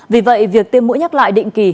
vì vậy việc tiêm mũi nhắc lại định kỳ